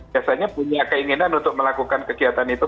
biasanya punya keinginan untuk melakukan kegiatan itu